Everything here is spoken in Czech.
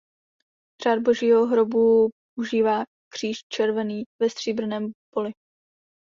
Řád Božího hrobu užívá kříž červený ve stříbrném poli.